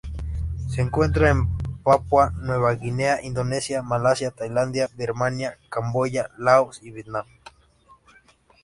Se encuentra en Papúa Nueva Guinea, Indonesia Malasia, Tailandia Birmania, Camboya Laos y Vietnam